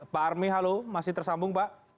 pak armi halo masih tersambung pak